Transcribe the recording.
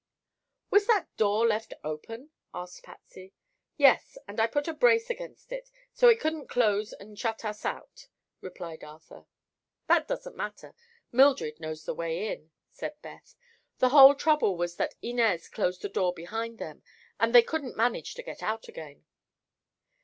"Was that door left open?" asked Patsy. "Yes; and I put a brace against it, so it couldn't close and shut us out," replied Arthur. "That doesn't matter; Mildred knows the way in," said Beth. "The whole trouble was that Inez closed the door behind them and they couldn't manage to get out again."